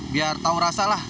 biar tahu rasa lah